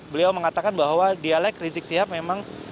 beliau mengatakan bahwa dialek rizik sihab memang